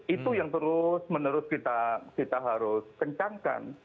itu yang terus menerus kita harus kencangkan